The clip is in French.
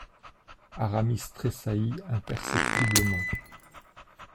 Aramis tressaillit imperceptiblement.